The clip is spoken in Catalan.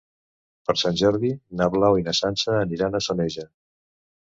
Per Sant Jordi na Blau i na Sança aniran a Soneja.